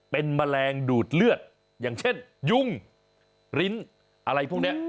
เป็นแมลงดูดเลือดอย่างเช่นยุ่งลิ้นอะไรพวกนี้